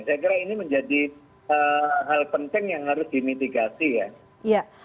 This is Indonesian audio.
saya kira ini menjadi hal penting yang harus dimitigasi ya